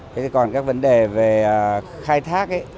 thế còn các vấn đề về khai thác ấy